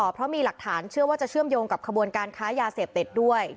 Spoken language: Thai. เพราะมีหลักฐานเชื่อว่าจะเชื่อมโยงกับขบวนการค้ายาเสพติดด้วย